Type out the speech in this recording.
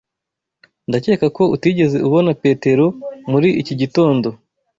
Ndakeka ko utigeze ubona Petero muri iki gitondo.